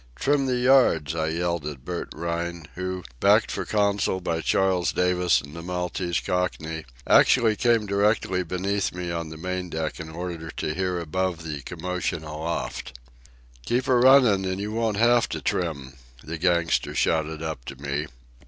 "Trim the yards!" I yelled at Bert Rhine, who, backed for counsel by Charles Davis and the Maltese Cockney, actually came directly beneath me on the main deck in order to hear above the commotion aloft. "Keep a runnin, an' you won't have to trim," the gangster shouted up to me.